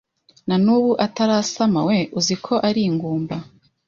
Nanubu Atarasama we, uziko ari ingumba